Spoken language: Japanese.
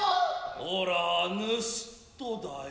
おらァ盗人だよ。